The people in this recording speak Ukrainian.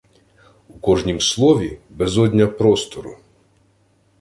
У кожнім слові безодня простору.